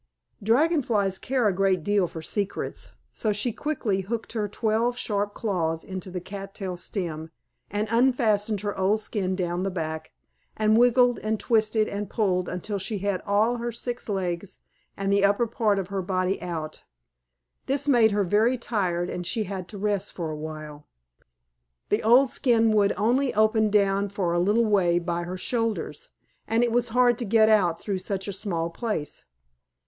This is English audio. Dragon Flies care a great deal for secrets, so she quickly hooked her twelve sharp claws into the cat tail stem, and unfastened her old skin down the back, and wriggled and twisted and pulled until she had all her six legs and the upper part of her body out. This made her very tired and she had to rest for a while. The old skin would only open down for a little way by her shoulders, and it was hard to get out through such a small place.